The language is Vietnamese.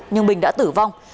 nhưng bình đã tử vong